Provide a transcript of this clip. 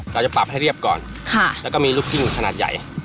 เราจะปรับให้เรียบก่อนแล้วก็มีลูกครึ่งขนาดใหญ่